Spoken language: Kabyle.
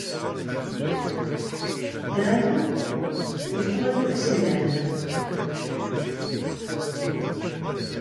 Dan ad yeqqel d aselmad.